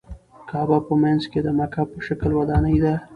کعبه په منځ کې د مکعب په شکل ودانۍ ده.